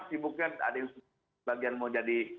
sibuknya ada yang bagian mau jadi